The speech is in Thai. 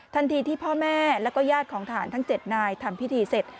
ทันทีที่พ่อแม่แล้วก็ญาติของทหารทั้ง๗นายทำพิธีเสร็จ